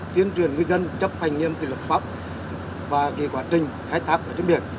tuyên truyền người dân chấp hành nghiêm lực pháp và quá trình khai thác trận biển